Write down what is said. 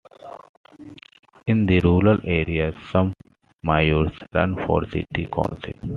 In the rural areas, some mayors ran for city council.